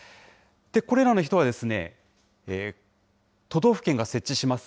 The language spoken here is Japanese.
これらの人は、都道府県が設置します